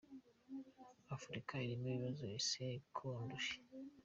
afurika irimo ibibazo asekondushye